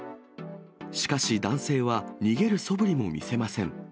しかし男性は逃げるそぶりも見せません。